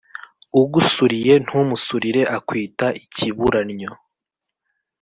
ugusuriye ntumusurire akwita ikibura nnyo.